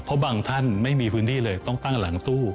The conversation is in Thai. เพราะบางท่านไม่มีพื้นที่เลยต้องตั้งหลังสู้